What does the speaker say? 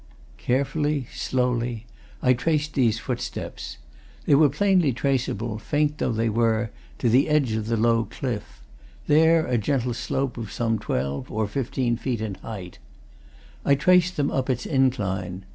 Carefully, slowly, I traced these footsteps. They were plainly traceable, faint though they were, to the edge of the low cliff, there a gentle slope of some twelve or fifteen feet in height; I traced them up its incline.